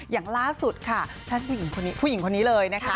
อย่างล่าสุดค่ะท่านผู้หญิงผู้หญิงคนนี้เลยนะคะ